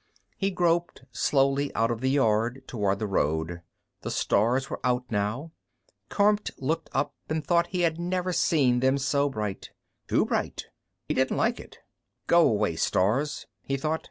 _ He groped slowly out of the yard, toward the road. The stars were out now. Kormt looked up and thought he had never seen them so bright. Too bright; he didn't like it. Go away, stars, he thought.